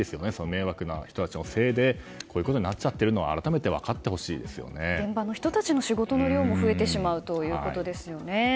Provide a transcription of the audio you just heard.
迷惑な人たちのせいでこういうことになっちゃっていることを現場の人の仕事の量も増えてしまうということですね。